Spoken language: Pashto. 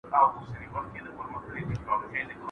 ¬ پټه خوله اقرار دئ.